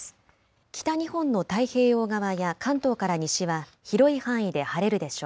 北日本の太平洋側や関東から西は広い範囲で晴れるでしょう。